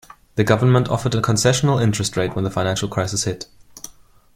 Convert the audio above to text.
The government offered a concessional interest rate when the financial crisis hit.